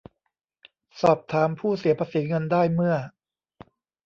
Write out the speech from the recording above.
สอบถามผู้เสียภาษีเงินได้เมื่อ